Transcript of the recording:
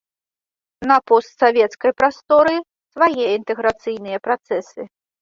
На постсавецкай прасторы свае інтэграцыйныя працэсы.